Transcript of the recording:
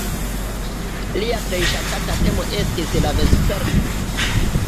Lia plej ŝatata temo estis la vespertoj.